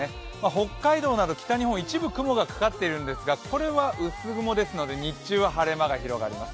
北海道など北日本、一部雲がかかっているんですが、これは薄雲ですので、日中は晴れ間が広がります。